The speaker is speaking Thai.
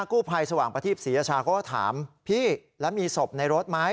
กู้ภัยสว่างประทีปศรีราชาเขาก็ถามพี่แล้วมีศพในรถไหม